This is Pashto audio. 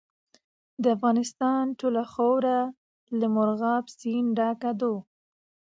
د افغانستان ټوله خاوره له مورغاب سیند ډکه ده.